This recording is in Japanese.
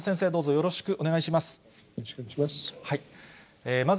よろしくお願いします。